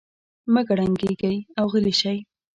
مه کړنګېږئ او غلي شئ.